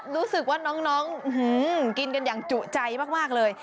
รู้สึกว่าน้องกินกันอย่างจุใจมากเลย